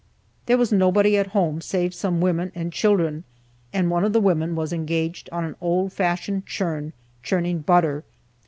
There was nobody at home save some women and children, and one of the women was engaged on an old fashioned churn, churning butter.